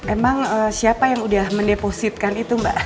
emang siapa yang udah mendepositkan itu mbak